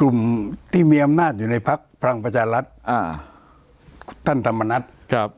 กลุ่มที่มีอำนาจอยู่ในภักดิ์พลังประชารัฐอ่าท่านธรรมนัฐครับ